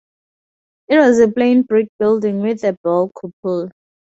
It was a plain brick building with a bell cupola.